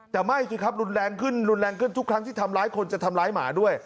แต่ไม่สิครับรุนแรงขึ้นรุนแรงขึ้นทุกครั้งที่ทำร้ายคนจะทำร้ายหมาด้วย